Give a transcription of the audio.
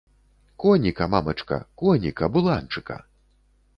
Коніка, мамачка, коніка, буланчыка.